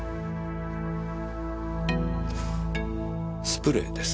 スプレーですね。